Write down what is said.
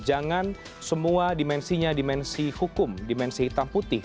jangan semua dimensinya dimensi hukum dimensi hitam putih